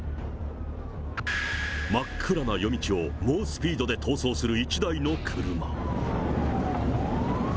真っ暗な夜道を猛スピードで逃走する１台の車。